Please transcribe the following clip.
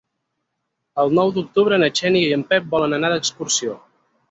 El nou d'octubre na Xènia i en Pep volen anar d'excursió.